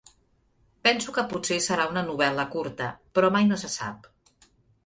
Penso que potser serà una novel·la curta, però mai no se sap.